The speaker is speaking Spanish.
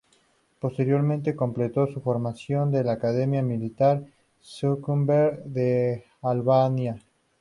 Posteriormente completó su formación en la Academia Militar Skanderbeg de Albania.